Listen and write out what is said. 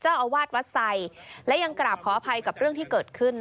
เจ้าอาวาสวัดไสและยังกราบขออภัยกับเรื่องที่เกิดขึ้น